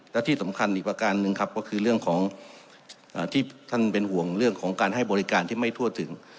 และที่สำคัญอีกประการหนึ่งครับก็คือเรื่องของที่ท่านเป็นห่วงเรื่องของการให้บริการที่ไม่ทั่วถึง